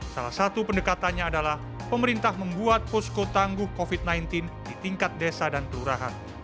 salah satu pendekatannya adalah pemerintah membuat posko tangguh covid sembilan belas di tingkat desa dan kelurahan